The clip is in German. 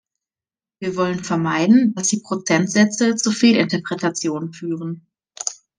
Wir wollen vermeiden, dass die Prozentsätze zu Fehlinterpretationen führen.